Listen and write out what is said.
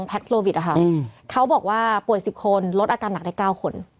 เพื่อไม่ให้เชื้อมันกระจายหรือว่าขยายตัวเพิ่มมากขึ้น